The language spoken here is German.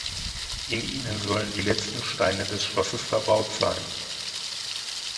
In ihnen sollen die letzten Steine des Schlosses verbaut sein.